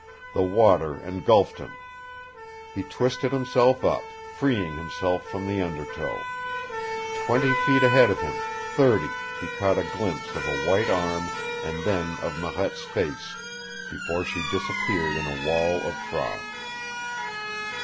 The water engulfed him. He twisted himself up, freeing himself from the undertow. Twenty feet ahead of him thirty he caught a glimpse of a white arm and then of Marette's face, before she disappeared in a wall of froth.